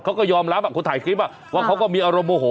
เขาก็ยอมรับคนถ่ายคลิปว่าเขาก็มีอารมณ์โมโห